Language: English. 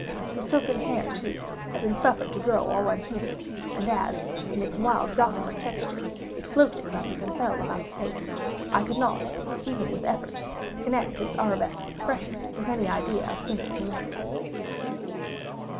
The silken hair, too, had been suffered to grow all unheeded, and as, in its wild gossamer texture, it floated rather than fell about the face, I could not, even with effort, connect its Arabesque expression with any idea of simple humanity.